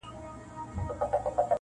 پر وړو لویو خبرو نه جوړېږي-